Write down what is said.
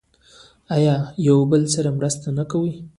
آیا او یو بل سره مرسته نه کوي؟